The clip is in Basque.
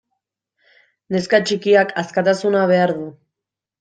Neska txikiak askatasuna behar du.